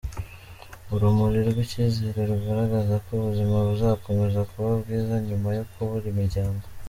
Urumuri rw'icyizere rugaragaza ko ubuzima buzakomeza kuba bwiza nyuma yo kubura imiryango.